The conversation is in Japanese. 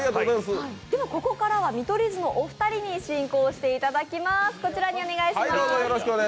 ここからは見取り図のお二人に進行していただきます。